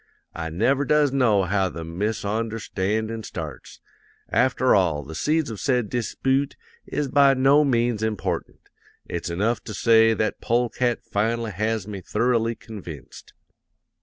I never does know how the misonderstandin' starts. After all, the seeds of said dispoote is by no means important; it's enough to say that polecat finally has me thoroughly convinced.